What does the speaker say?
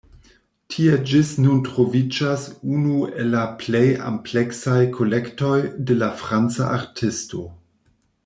Tie ĝis nun troviĝas unu el la plej ampleksaj kolektoj de la franca artisto.